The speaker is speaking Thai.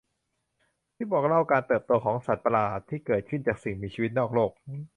ที่บอกเล่าการเติบโตของสัตว์ประหลาดที่เกิดจากสิ่งมีชีวิตนอกโลก